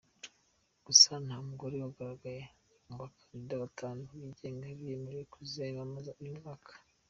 Gusa nta mugore wagaragaye mu bakandida batanu bigenga bemerewe kuziyamamaza uyu mwaka.